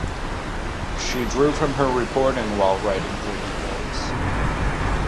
She drew from her reporting while writing "Thirty Girls".